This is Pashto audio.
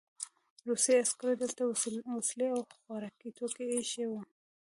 روسي عسکرو دلته وسلې او خوراکي توکي ایښي وو